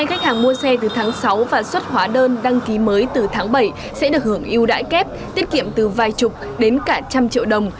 khách hàng mua xe từ tháng sáu và xuất hóa đơn đăng ký mới từ tháng bảy sẽ được hưởng yêu đãi kép tiết kiệm từ vài chục đến cả trăm triệu đồng